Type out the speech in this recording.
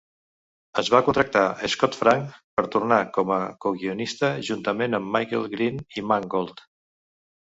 Es va contractar Scott Frank per tornar com a coguionista, juntament amb Michael Green i Mangold.